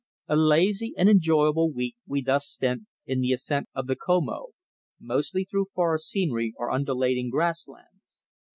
A lazy and enjoyable week we thus spent in the ascent of the Comoe, mostly through forest scenery or undulating grass lands.